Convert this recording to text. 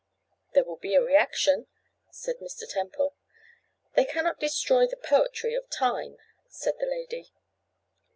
'There will be a reaction,' said Mr. Temple. 'They cannot destroy the poetry of time,' said the lady.